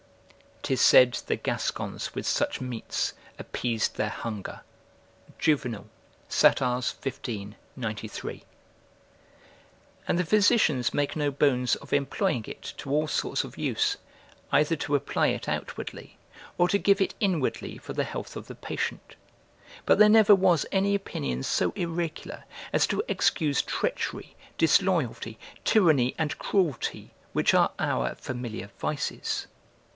["'Tis said the Gascons with such meats appeased their hunger." Juvenal, Sat., xv. 93.] And the physicians make no bones of employing it to all sorts of use, either to apply it outwardly; or to give it inwardly for the health of the patient. But there never was any opinion so irregular, as to excuse treachery, disloyalty, tyranny, and cruelty, which are our familiar vices.